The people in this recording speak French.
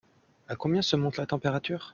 À combien se monte la température ?